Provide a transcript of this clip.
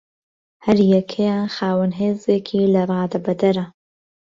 هەریەکەیان خاوەن هێزێکی لەرادەبەدەرە